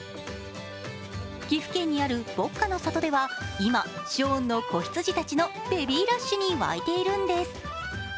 岐阜県にある牧歌の里では今、ショーンの子羊たちのベビーラッシュに沸いているんです。